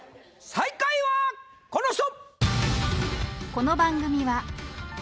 最下位はこの人！